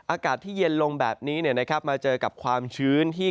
อากาศที่เย็นลงแบบนี้มาเจอกับความชื้นที่